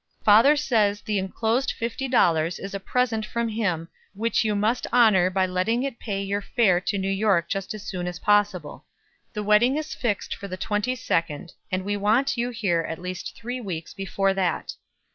Father says the inclosed fifty dollars is a present from him, which you must honor by letting it pay your fare to New York just as soon as possible. The wedding is fixed for the twenty second; and we want you here at least three weeks before that.